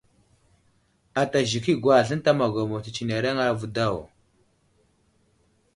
Ata zik i agwazl ənta magwamo tətsenereŋ avo daw.